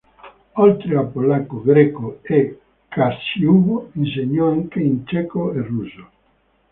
Oltre a polacco, greco e casciubo, insegnò anche in ceco e russo.